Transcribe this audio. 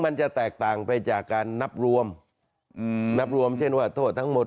มันจะแตกต่างไปจากการนับรวมอืมนับรวมเช่นว่าโทษทั้งหมด